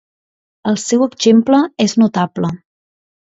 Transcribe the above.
El seu exemple és notable.